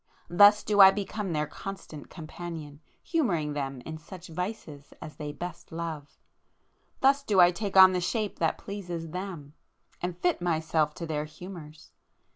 —thus do I become their constant companion, humouring them in such vices as they best love!—thus do I take on the shape that pleases them, and fit myself to their humours!